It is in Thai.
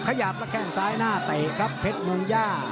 ขยับแล้วแข้งซ้ายหน้าเตะครับเพชรเมืองย่า